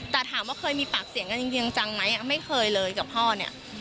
แต่ถามว่าเคยมีปากเสียงกันจริงจังไหมไม่เคยเลยกับพ่อเนี่ย